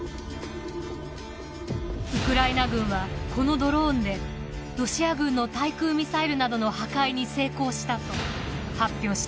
ウクライナ軍はこのドローンでロシア軍の対空ミサイルなどの破壊に成功したと発表しています。